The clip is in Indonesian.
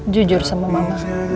jujur sama mama